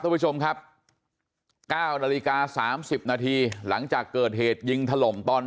คุณผู้ชมครับ๙นาฬิกา๓๐นาทีหลังจากเกิดเหตุยิงถล่มตอน